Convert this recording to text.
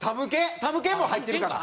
たむけんも入ってるから。